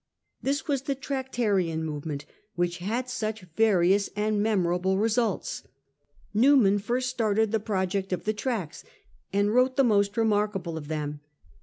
This was the Tractarian movement which had such various and memorable results. Newman first started the project of the Tracts, and wrote the most remarkable of them.